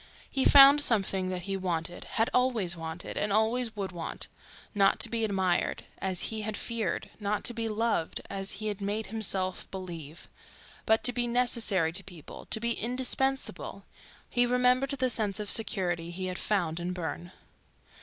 He found something that he wanted, had always wanted and always would want—not to be admired, as he had feared; not to be loved, as he had made himself believe; but to be necessary to people, to be indispensable; he remembered the sense of security he had found in Burne.